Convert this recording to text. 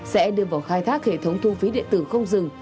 sẽ đưa vào khai thác hệ thống thu phí điện tử không dừng